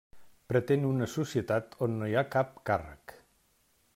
Pretén una societat on no hi ha cap càrrec.